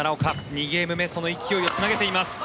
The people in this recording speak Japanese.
２ゲーム目その勢いをつなげています。